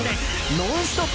ノンストップ！